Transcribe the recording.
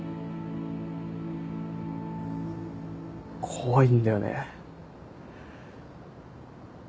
怖いんだよね。